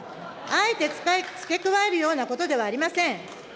あえて付け加えるようなことではありません。